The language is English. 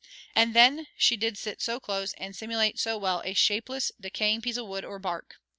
And then she did sit so close, and simulate so well a shapeless decaying piece of wood or bark!